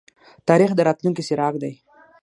تاریخ د راتلونکي څراغ دی